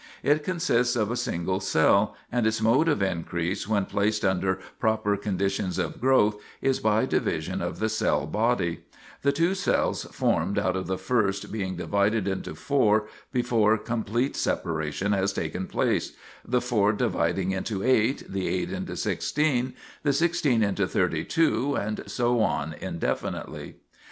It consists of a single cell, and its mode of increase when placed under proper conditions of growth is by division of the cell body; the two cells formed out of the first being divided into four before complete separation has taken place; the four dividing into eight, the eight into sixteen, the sixteen into thirty two, and so on indefinitely.